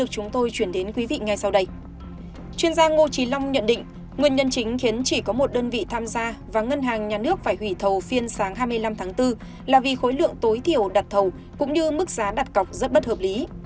chuyên gia ngô trí long nhận định nguyên nhân chính khiến chỉ có một đơn vị tham gia và ngân hàng nhà nước phải hủy thầu phiên sáng hai mươi năm tháng bốn là vì khối lượng tối thiểu đặt thầu cũng như mức giá đặt cọc rất bất hợp lý